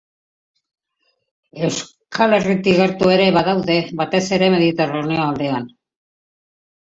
Euskal Herritik gertu ere badaude, batez ere Mediterraneo aldean.